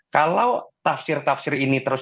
kalau tafsir tafsir ini terus